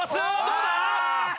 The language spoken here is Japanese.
どうだ？